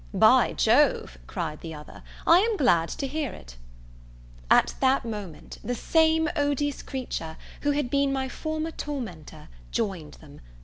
"By Jove," cried the other, "I am glad to hear it!" At that moment, the same odious creature who had been my former tormentor, joined them.